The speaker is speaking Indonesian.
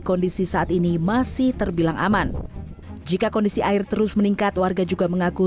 kondisi saat ini masih terbilang aman jika kondisi air terus meningkat warga juga mengaku